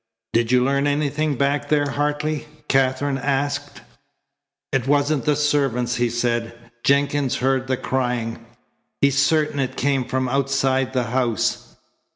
"Did you learn anything back there, Hartley?" Katherine asked. "It wasn't the servants," he said. "Jenkins heard the crying. He's certain it came from outside the house."